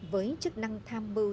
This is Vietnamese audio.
với chức năng tham mưu